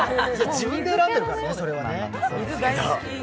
自分で選んでるからね。